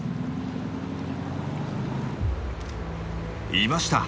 いました。